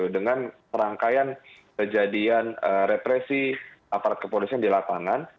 dengan perangkaian kejadian represi aparat kepolisian di lapangan